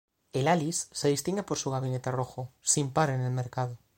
El Alice se distingue por su gabinete rojo, sin par en el mercado.